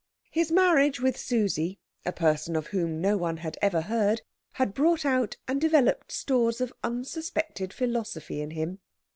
His marriage with Susie, a person of whom no one had ever heard, had brought out and developed stores of unsuspected philosophy in him.